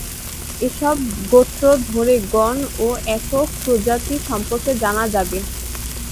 এসব গোত্র ধরে গণ ও একক প্রজাতি সম্পর্কে জানা যাবে।